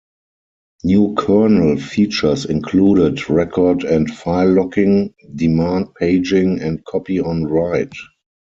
New kernel features included record and file locking, demand paging, and copy on write.